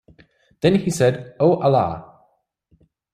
Then he said: O' Allah!